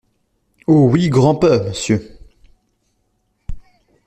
Oh ! oui, grand’peur, monsieur !